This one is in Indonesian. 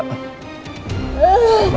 tidak ada apa apa